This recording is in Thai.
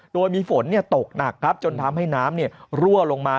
โดยมีฝนตกหนักครับจนทำให้น้ำรั่วลงมา